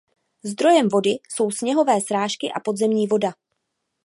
Zdrojem vody jsou sněhové srážky a podzemní voda.